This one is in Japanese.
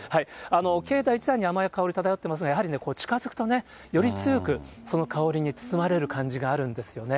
境内自体に甘い香り漂ってまして、やはりね、近づくとより強く、その香りに包まれる感じがあるんですよね。